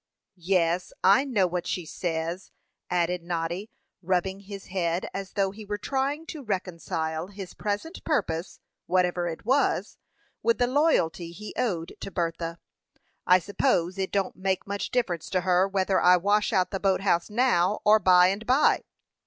"Yes, I know what she says," added Noddy, rubbing his head, as though he were trying to reconcile his present purpose, whatever it was, with the loyalty he owed to Bertha. "I suppose it don't make much difference to her whether I wash out the boat house now or by and by."